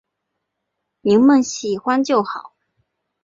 妳们喜欢就好